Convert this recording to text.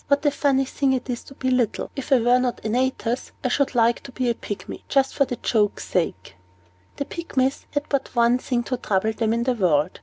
"What a funny thing it is to be little! If I were not Antaeus, I should like to be a Pygmy, just for the joke's sake." The Pygmies had but one thing to trouble them in the world.